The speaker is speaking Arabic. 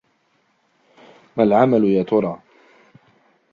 مَا العَمَلُ يَا تُرَى!